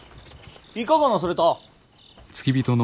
いかがなされた。